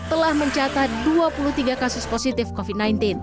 telah mencatat dua puluh tiga kasus positif covid sembilan belas